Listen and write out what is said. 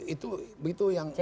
jadi peluangnya sama